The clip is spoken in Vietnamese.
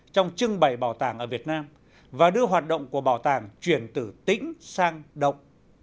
trong trưng bày bảo tàng ở việt nam và đưa hoạt động của bảo tàng chuyển từ tĩnh sang động